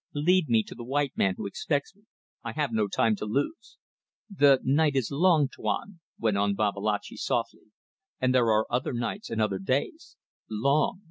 Lead me to the white man who expects me. I have no time to lose." "The night is long, Tuan," went on Babalatchi, softly, "and there are other nights and other days. Long.